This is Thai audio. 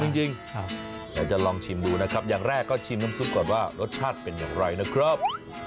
จริงอยากจะลองชิมดูนะครับอย่างแรกก็ชิมน้ำซุปก่อนว่ารสชาติเป็นอย่างไรนะครับ